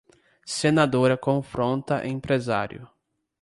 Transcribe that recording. Senadora confronta empresário